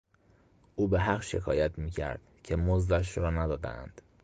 او بهحق شکایت میکرد که مزدش را ندادهاند.